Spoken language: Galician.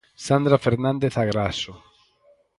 Sandra Fernández Agraso.